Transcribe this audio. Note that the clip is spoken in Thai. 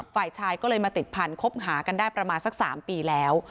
ฝ่ายชายก็เลยมาติดพันธบหากันได้ประมาณสัก๓ปีแล้ว